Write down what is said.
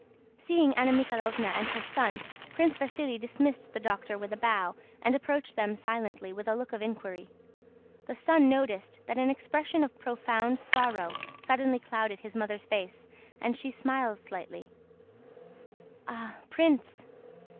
Seeing Anna Mikháylovna and her son, Prince Vasíli dismissed the doctor with a bow and approached them silently and with a look of inquiry. The son noticed that an expression of profound sorrow suddenly clouded his mother's face, and he smiled slightly. "Ah, Prince!